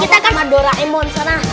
balik ke kamar dora em mohon sana